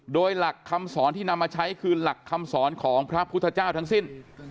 โดยหลักคำสอนที่นำมาใช้คือหลักคำสอนของพระพุทธเจ้าทั้งสิ้น